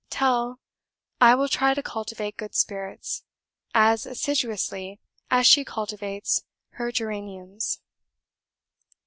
Tell I will try to cultivate good spirits, as assiduously as she cultivates her geraniums."